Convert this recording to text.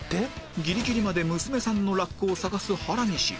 ギリギリまで娘さんのラックを探す原西